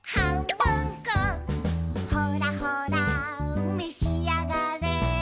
「ほらほらめしあがれ」